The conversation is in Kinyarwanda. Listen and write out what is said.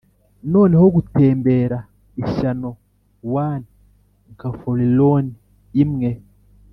noneho gutembera, ishyano wan, nka forlorn imwe,